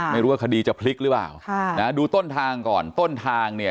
ไม่รู้ว่าคดีจะพลิกหรือเปล่าค่ะนะดูต้นทางก่อนต้นทางเนี่ย